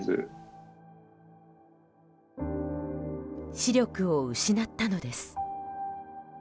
視力を失ったのです。